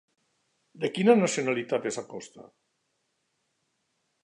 De quina nacionalitat és Acosta?